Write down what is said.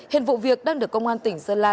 hiện vụ việc đang được công an tỉnh sơn la